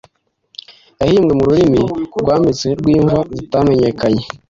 yahimbwe mururimi rwabitswe rwimva zitamenyekanye